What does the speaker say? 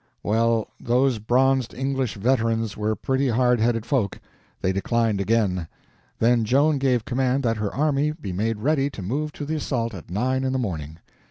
Well, those bronzed English veterans were pretty hard headed folk. They declined again. Then Joan gave command that her army be made ready to move to the assault at nine in the morning.